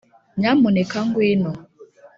nyamuneka ngwino